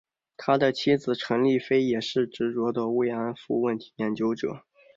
他的妻子陈丽菲也是执着的慰安妇问题研究者。